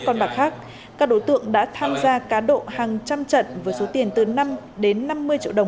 con bạc khác các đối tượng đã tham gia cá độ hàng trăm trận với số tiền từ năm đến năm mươi triệu đồng